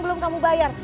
belum kamu bayar